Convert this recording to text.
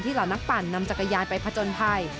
เหล่านักปั่นนำจักรยานไปผจญภัย